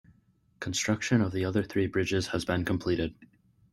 Construction of the other three bridges has been completed.